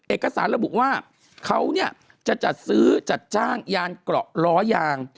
เอกสารระบุว่าเขาเนี่ยจะจัดซื้อจัดจ้างยานเกราะล้อยาง